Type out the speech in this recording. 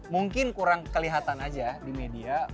mungkin kurang kelihatan aja di media